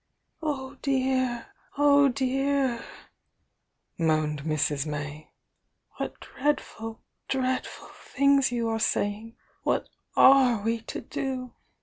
"Oh dear, oh dear!" moaned Mrs. May. "What dreadful, dreadful things you are saying! What are we to do?